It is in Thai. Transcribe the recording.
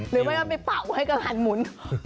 หรือว่าไปเปล่าให้กางห็นหมุน